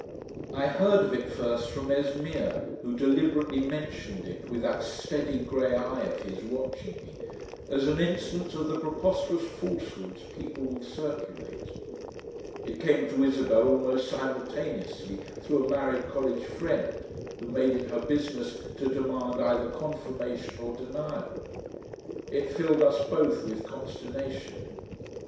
I heard of it first from Esmeer, who deliberately mentioned it, with that steady grey eye of his watching me, as an instance of the preposterous falsehoods people will circulate. It came to Isabel almost simultaneously through a married college friend, who made it her business to demand either confirmation or denial. It filled us both with consternation.